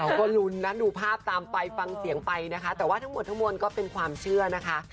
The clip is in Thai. ก็ลุ้นนะดูภาพตามไปฟังเสียงไปนะคะแต่ว่าทั้งหมดทั้งมวลก็เป็นความเชื่อนะคะ